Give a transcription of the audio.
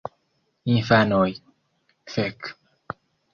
Infanoj: "Fek!"